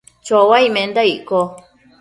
chouaic menda icco ?